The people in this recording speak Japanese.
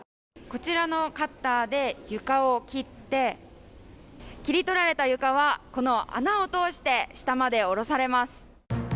こちらのカッターで床を切って、切り取られた床はこの穴を通して下まで下ろされます。